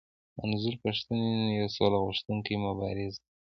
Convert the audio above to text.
منظور پښتون يو سوله غوښتونکی مبارز دی.